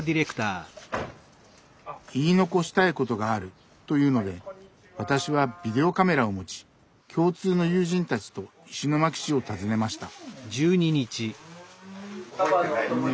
「言い残したいことがある」というので私はビデオカメラを持ち共通の友人たちと石巻市を訪ねました。